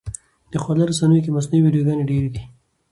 په خواله رسنیو کې مصنوعي ویډیوګانې ډېرې دي.